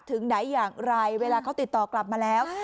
ถึงไหนอย่างไรเวลาเขาติดต่อกลับมาแล้ว